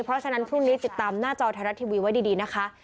เพราะฉะนั้นพรุ่งนี้ติดตามหน้าจอไทยรัฐทีวีไว้ดีนะคะ